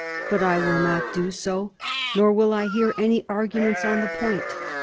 But I will not do so, nor will I hear any arguments on the point.